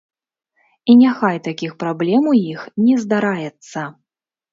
І няхай такіх праблем у іх не здараецца!